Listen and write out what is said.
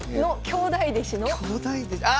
兄弟弟子あ！